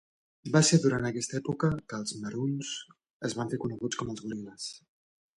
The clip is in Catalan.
Va ser durant aquesta època que els Maroons es van fer coneguts com els Gorillas.